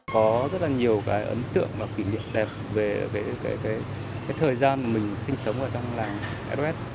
có rất là nhiều cái ấn tượng và kỷ niệm đẹp về cái thời gian mình sinh sống ở trong làng sos